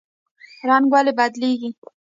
رنګ ولې بدلیږي؟